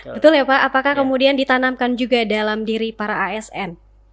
betul ya pak apakah kemudian ditanamkan juga dalam diri para asn